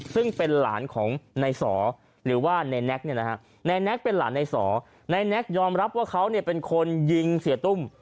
ซึ่งเป็นหลานของนายสอหรือว่าในแน็กเนี่ยนะฮะนายแน็กเป็นหลานในสอนายแน็กยอมรับว่าเขาเป็นคนยิงเสียตุ้ม